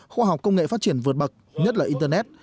khoa học công nghệ phát triển vượt bậc nhất là internet